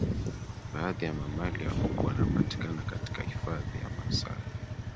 baadhi ya mamalia wakubwa wanapatikana katika hifadhi ya masai mara